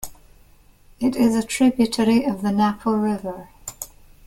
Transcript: It is a tributary of the Napo River.